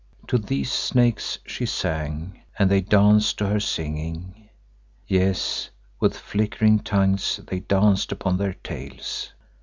To these snakes she sang and they danced to her singing; yes, with flickering tongues they danced upon their tails!